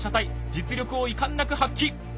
実力を遺憾なく発揮！